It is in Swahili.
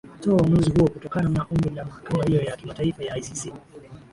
toa uamuzi huo kutokana na ombi la mahakama hiyo ya kimataifa ya icc